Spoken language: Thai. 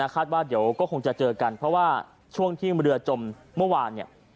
คาดว่าเดี๋ยวก็คงจะเจอกันเพราะว่าช่วงที่เรือจมเมื่อวานเนี่ย